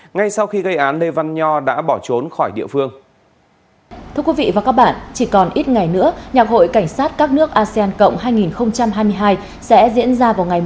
ngay sau khi gây án lê văn nho đã bỏ trốn khỏi địa phương